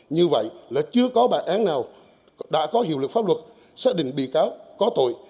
như vậy là chưa có bản án nào đã có hiệu lực pháp luật xác định bị cáo có tội